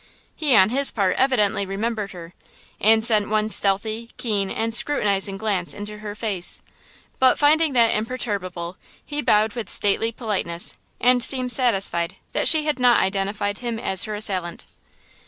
He on his part evidently remembered her, and sent one stealthy, keen and scrutinizing glance into her face; but, finding that imperturbable, he bowed with stately politeness and seemed satisfied that she had not identified him as her assailant.